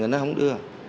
thì nó không đưa